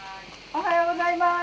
・おはようございます。